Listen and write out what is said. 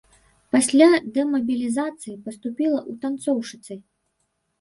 Пасля дэмабілізацыі, паступіла ў танцоўшчыцай.